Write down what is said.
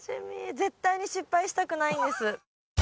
絶対に失敗したくないんです。